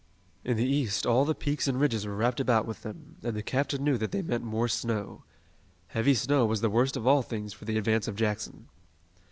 In the east all the peaks and ridges were wrapped about with them, and the captain knew that they meant more snow. Heavy snow was the worst of all things for the advance of Jackson.